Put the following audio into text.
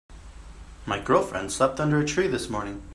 My girlfriend slept under a tree this morning.